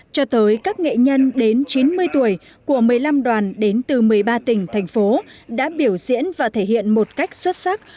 cho tới các nghệ nhân đến chín mươi tuổi của một mươi năm đoàn đến từ một mươi ba tỉnh thành phố đã biểu diễn và thể hiện một cách xuất sắc